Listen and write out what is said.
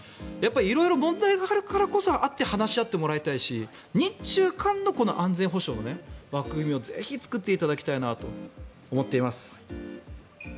色々問題があるからこそ話し合ってもらいたいし日中韓の安全保障の枠組みをぜひ作っていただきたいなと思っています。